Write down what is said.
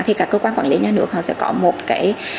thì các cơ quan quản lý nhà nước họ sẽ có một cái